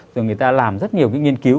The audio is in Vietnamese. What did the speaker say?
rồi người ta làm rất nhiều cái nghiên cứu